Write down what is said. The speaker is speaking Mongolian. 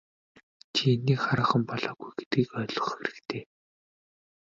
Чи инээх хараахан болоогүй гэдгийг ойлгох хэрэгтэй.